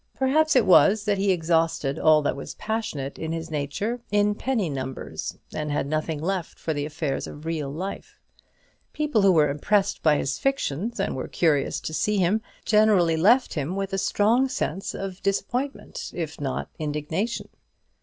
Perhaps it was that he exhausted all that was passionate in his nature in penny numbers, and had nothing left for the affairs of real life. People who were impressed by his fictions, and were curious to see him, generally left him with a strong sense of disappointment, if not indignation.